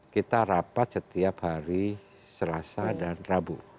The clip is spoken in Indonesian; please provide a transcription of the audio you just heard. kita rapat setiap hari selasa dan rabu